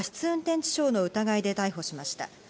運転致傷の疑いで逮捕しました。